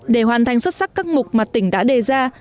để hoàn thành xuất sắc các mục mà tỉnh đã đề ra